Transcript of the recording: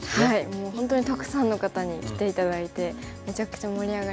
もう本当にたくさんの方に来て頂いてめちゃくちゃ盛り上がりましたね。